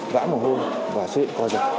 vãn mồ hôn và xuất hiện co giật